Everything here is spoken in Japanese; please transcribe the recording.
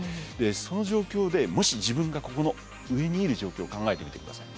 その状況でもし自分がここの上にいる状況を考えてみて下さい。